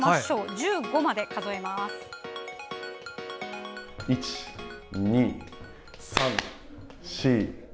１５まで数えますよ。